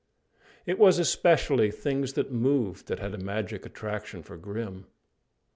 It was especially things that moved that had a magic attraction for Grim.